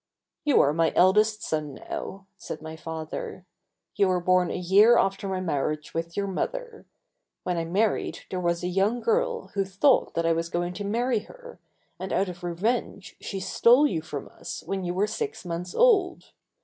"You are my eldest son now," said my father; "you were born a year after my marriage with your mother. When I married there was a young girl who thought that I was going to marry her, and out of revenge she stole you from us when you were six months old.